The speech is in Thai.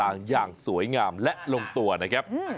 รวดลายต่างอย่างสวยงามและลงตัวนะครับ